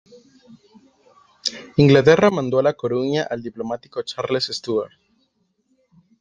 Inglaterra mandó a La Coruña al diplomático Charles Stuart.